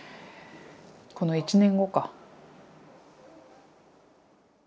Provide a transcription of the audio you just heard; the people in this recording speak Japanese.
この１年後か。